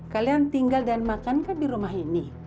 kalian tinggal dan makan kan di rumah ini